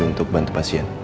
untuk bantu pasien